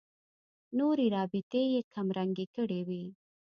نورې رابطې یې کمرنګې کړې وي.